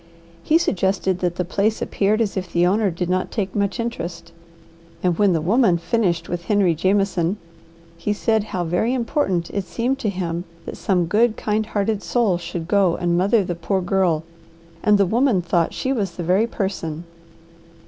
He suggested that the place appeared as if the owner did not take much interest, and when the woman finished with Henry Jameson, he said how very important it seemed to him that some good, kind hearted soul should go and mother the poor girl, and the woman thought she was the very person.